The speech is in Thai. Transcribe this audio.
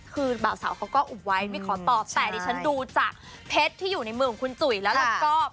คือบ่าวสาวเขาก็อุบไว้ไม่ขอตอบแต่ดิฉันดูจากเพชรที่อยู่ในมือของคุณจุ๋ยแล้วก็